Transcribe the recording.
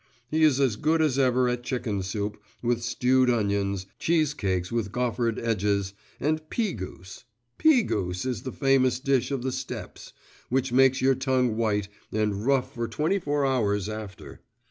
He is as good as ever at chicken soup, with stewed onions, cheesecakes with goffered edges, and peagoose peagoose is the famous dish of the steppes, which makes your tongue white and rough for twenty four hours after.